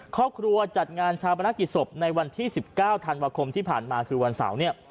ครอบครัวจัดงานชาวประนักกิจศพในวันที่๑๙ธันวาคมที่ผ่านมาคือวันเสาร์เนี่ย